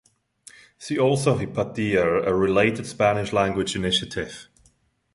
See also Hipatia, a related Spanish language initiative.